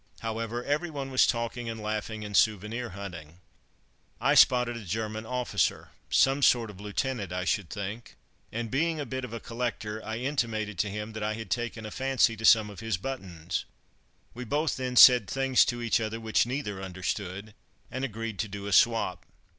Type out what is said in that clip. However, everyone was talking and laughing, and souvenir hunting. I spotted a German officer, some sort of lieutenant I should think, and being a bit of a collector, I intimated to him that I had taken a fancy to some of his buttons. We both then said things to each other which neither understood, and agreed to do a swap.